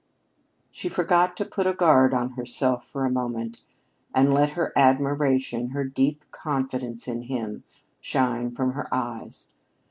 She forgot to put a guard on herself for a moment and let her admiration, her deep confidence in him, shine from her eyes.